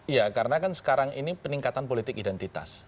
iya karena kan sekarang ini peningkatan politik identitas